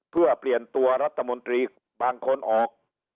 เพื่อเปลี่ยนตัวรัฐมนตรีบางคนออก